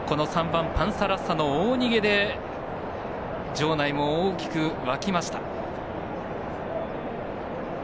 ３番、パンサラッサの大逃げで場内も大きく沸きました。